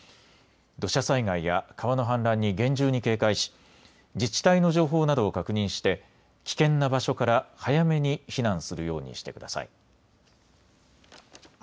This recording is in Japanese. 土砂災害や川の氾濫に厳重に警戒し、自治体の情報などを確認して危険な場所から早めに避難するようにしてください。